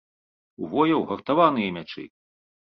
У вояў гартаваныя мячы!